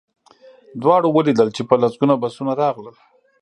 دواړو ولیدل چې په لسګونه بسونه راغلل